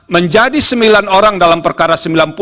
menjadi sembilan orang dalam perkara sembilan puluh sembilan puluh satu